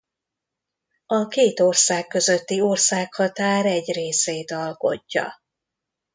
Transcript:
A két ország közötti országhatár egy részét alkotja.